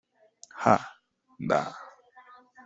ja? da.